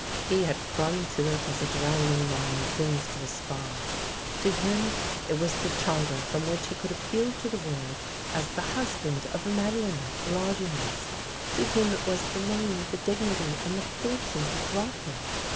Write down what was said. He had clung to it as a drowning man clings to a spar. To him it was the charter from which he could appeal to the world as the husband of Madelinette Lajeunesse. To him it was the name, the dignity, and the fortune he brought her.